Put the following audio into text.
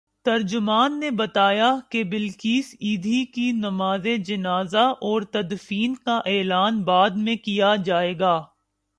ترجمان نے بتایا کہ بلقیس ایدھی کی نمازجنازہ اورتدفین کا اعلان بعد میں کیا جائے گا۔